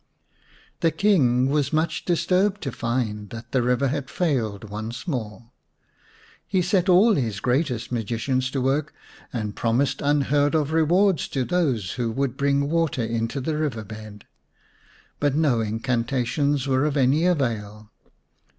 The King was much disturbed to find that the river had failed once more. He set all his greatest magicians to work, and promised unheard G The Serpent's Bride vm of rewards to those who would bring water into the river bed ; but no incantations were of any avail.